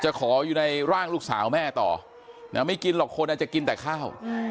ขออยู่ในร่างลูกสาวแม่ต่อไม่กินหรอกคนอาจจะกินแต่ข้าว